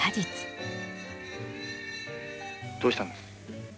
どうしたんです。